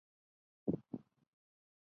主祀天上圣母。